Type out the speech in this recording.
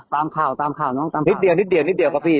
ตามข่าวตามข่าวน้องตามนิดเดียวนิดเดียวนิดเดียวครับพี่